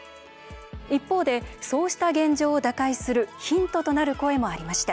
一方で、そうした現状を打開するヒントとなる声もありました。